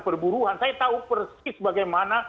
perburuan saya tahu persis bagaimana